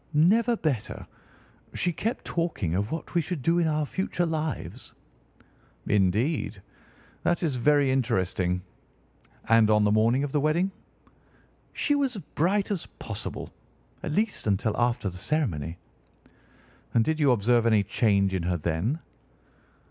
"Never better. She kept talking of what we should do in our future lives." "Indeed! That is very interesting. And on the morning of the wedding?" "She was as bright as possible—at least until after the ceremony." "And did you observe any change in her then?"